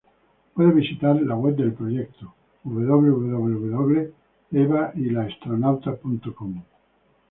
Puedes visitar la web del proyecto, www.evayelastronauta.com.